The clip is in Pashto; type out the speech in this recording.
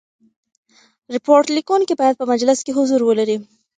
ریپورټ لیکوونکی باید په مجلس کي حضور ولري.